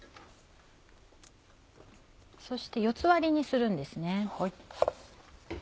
そして四つ割りにするんです。